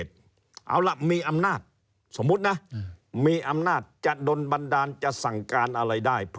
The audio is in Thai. ควรจะต้องทำยังไง